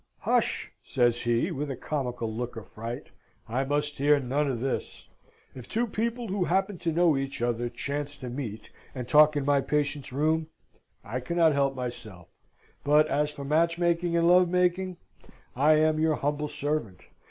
"Hush," says he, with a comical look of fright. "I must hear none of this. If two people who happen to know each other chance to meet and talk in my patients' room, I cannot help myself; but as for match making and love making, I am your humble servant!